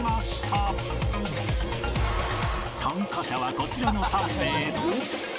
参加者はこちらの３名と